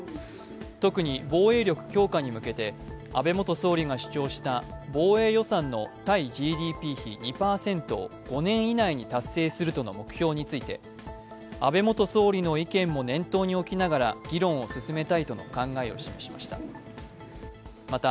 特に防衛力強化に向けて、安倍元総理が主張した防衛予算の対ＧＤＰ比２％を５年以内に達成するとの目標について安倍元総理の意見も念頭に置きながら議論を進めたたいとの考えを示しました。